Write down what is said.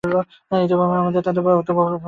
ইতিপূর্বে আমরা তাদের বক্তব্য ভুল প্রমাণ করে এসেছি।